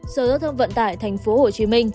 sở giao thông vận tải tp hcm